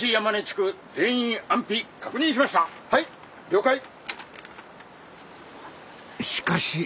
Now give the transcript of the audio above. しかし。